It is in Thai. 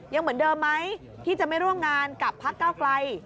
ยังเหมือนเดิมไหมที่จะไม่ร่วมงานกับพักเก้าไกล